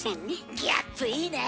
ギャップいいねえ！